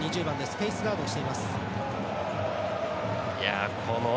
フェースガードをしています。